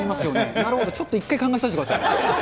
なるほど、ちょっと一回考えさせてください。